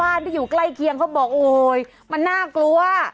ชาวบ้านที่อยู่ใกล้เคียงความน่ากลัว